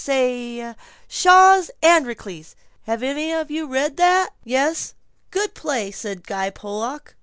Say Shaw's 'Androcles.' Have any of you read it?" "Yes. Good play," said Guy Pollock.